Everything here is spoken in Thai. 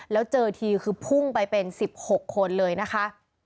แล้วเจอทีคือพุ่งไปเป็น๑๖คนเลยนะคะ